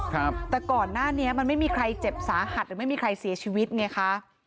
ครับแต่ก่อนหน้านี้มันไม่มีใครเจ็บสาหัสหรือไม่มีใครเสียชีวิตไงคะ